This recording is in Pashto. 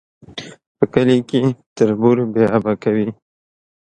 په کلي کي تربور بې آبه کوي